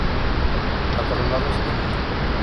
Acorralados en el Mundo